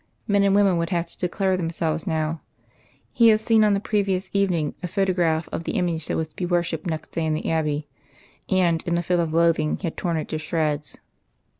Men and women would have to declare themselves now. He had seen on the previous evening a photograph of the image that was to be worshipped next day in the Abbey; and, in a fit of loathing, had torn it to shreds.